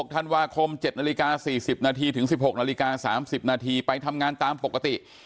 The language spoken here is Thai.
ธันวาคม๗นาฬิกา๔๐นาทีถึง๑๖นาฬิกา๓๐นาทีไปทำงานตามปกติ